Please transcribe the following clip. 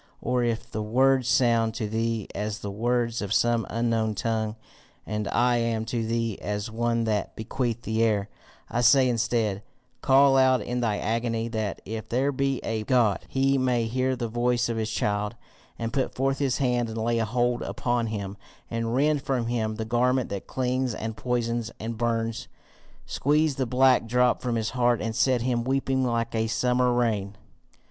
Or if the words sound to thee as the words of some unknown tongue, and I am to thee as one that beateth the air, I say instead Call aloud in thy agony, that, if there be a God, he may hear the voice of his child, and put forth his hand and lay hold upon him, and rend from him the garment that clings and poisons and burns, squeeze the black drop from his heart, and set him weeping like a summer rain.